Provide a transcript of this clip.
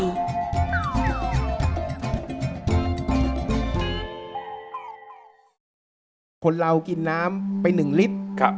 รายการต่อไปนี้เป็นรายการทั่วไปสามารถรับชมได้ทุกวัย